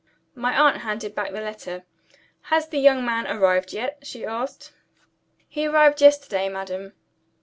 My aunt handed back the letter. "Has the young man arrived yet?" she asked. "He arrived yesterday, madam."